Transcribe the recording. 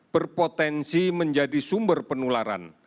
berpotensi menjadi sumber penularan